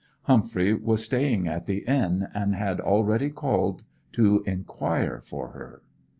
Humphrey was staying at the inn, and had already called to inquire for her.